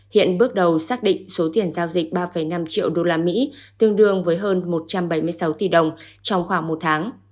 hiện bước đầu xác định số tiền giao dịch ba năm triệu usd tương đương với hơn một trăm bảy mươi sáu tỷ đồng trong khoảng một tháng